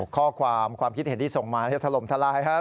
ข้อความความคิดเห็นที่ส่งมาถล่มทลายครับ